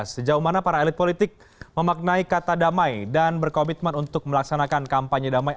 sejauh mana para elit politik memaknai kata damai dan berkomitmen untuk melaksanakan kampanye damai